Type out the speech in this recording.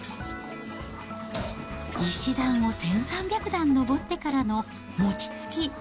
石段を１３００段上ってからの餅つき。